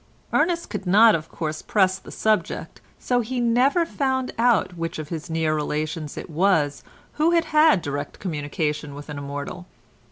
Ernest could not of course press the subject, so he never found out which of his near relations it was who had had direct communication with an immortal.